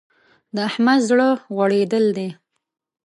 د احمد زړه غوړېدل دی.